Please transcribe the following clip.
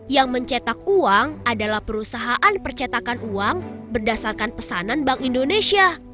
yang mencetak uang adalah perusahaan percetakan uang berdasarkan pesanan bank indonesia